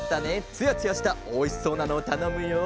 つやつやしたおいしそうなのをたのむよ。